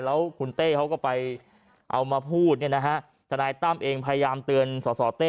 แล้วคุณเต้เขาก็ไปเอามาพูดเนี่ยนะฮะทนายตั้มเองพยายามเตือนสสเต้